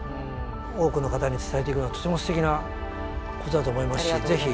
多くの方に伝えていくのはとてもすてきなことだと思いますしぜひ。